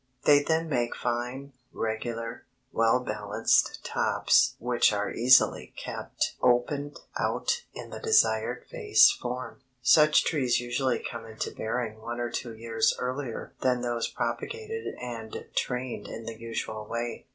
They then make fine, regular, well balanced tops which are easily kept opened out in the desired vase form. Such trees usually come into bearing one or two years earlier than those propagated and trained in the usual way.